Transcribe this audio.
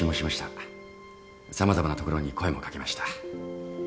様々なところに声も掛けました。